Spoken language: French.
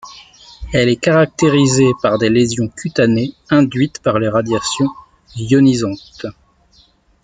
Elle est caractérisée par des lésions cutanées induites par les radiations ionisantes.